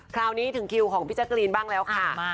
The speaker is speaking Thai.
คราวนี้ถึงคิวของพี่แจ๊กรีนบ้างแล้วค่ะ